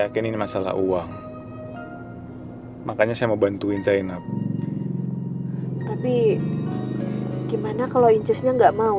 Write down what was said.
yakin ini masalah uang makanya saya mau bantuin chinap tapi gimana kalau incisnya enggak mau